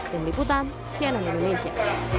dini putam sialan indonesia